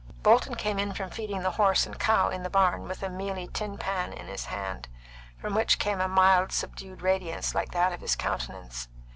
Bolton came in from feeding the horse and cow in the barn, with a mealy tin pan in his hand, from which came a mild, subdued radiance like that of his countenance.